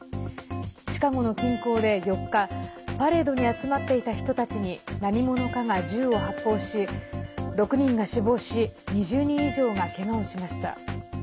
シカゴの近郊で４日パレードに集まっていた人たちに何者かが銃を発砲し６人が死亡し２０人以上が、けがをしました。